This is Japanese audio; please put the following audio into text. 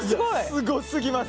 すごすぎます。